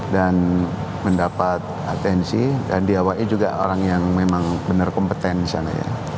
dan mendapat atensi dan diawainya juga orang yang memang benar kompeten di sana ya